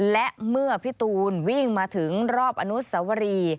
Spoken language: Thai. และเมื่อพี่ตูนวิ่งมาถึงรอบอนุสวรี